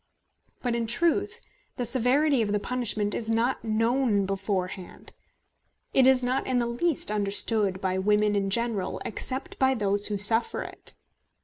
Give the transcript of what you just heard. But in truth the severity of the punishment is not known beforehand; it is not in the least understood by women in general, except by those who suffer it.